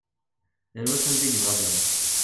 Yal wa s anda yebɣa ad yaweḍ.